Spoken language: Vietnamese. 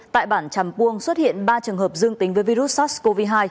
tại bản trầm cuông xuất hiện ba trường hợp dương tính với virus sars cov hai